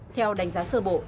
theo đánh giá sơ bộ